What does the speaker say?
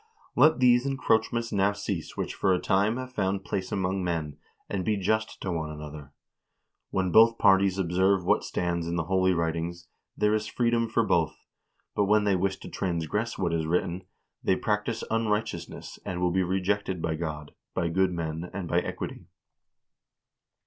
" Let these encroachments now cease which for a time have found place among men, and be just to one another. When both parties observe what stands in the holy writings, there is freedom for both ; but when they wish to transgress what is written, they practice unrighteousness, and will be rejected by God, by good men, and by equity."